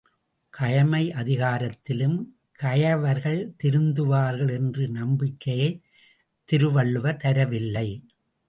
கயமை அதிகாரத்திலும் கயவர்கள் திருந்துவார்கள் என்ற நம்பிக்கையைத் திருவள்ளுவர் தரவில்லை!